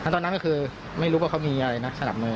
ตอนนั้นก็คือไม่รู้ว่าเขามีอะไรนะสนับมือ